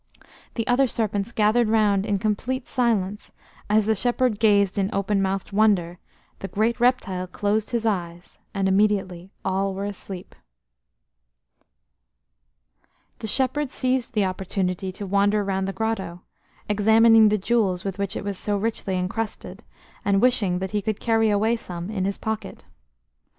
The other serpents gathered round in complete silence; as the shepherd gazed in open mouthed wonder, the great reptile closed his eyes, and immediately all were asleep. "COILED UPON THE THRONE WAS AN ENORMOUS SERPENT" The shepherd seized the opportunity to wander round the grotto, examining the jewels with which it was so richly encrusted, and wishing that he could carry away some in his pocket.